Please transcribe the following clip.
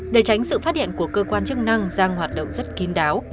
để tránh sự phát hiện của cơ quan chức năng giang hoạt động rất kín đáo